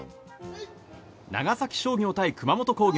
長崎商業対熊本工業